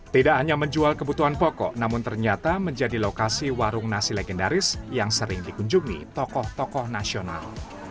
tidak hanya menjual kebutuhan pokok namun ternyata menjadi lokasi warung nasi legendaris yang sering dikunjungi tokoh tokoh nasional